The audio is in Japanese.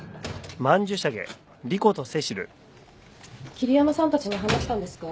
桐山さんたちに話したんですか？